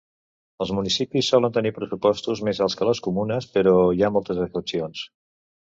Els municipis solen tenir pressupostos més alts que les comunes, però hi ha moltes excepcions.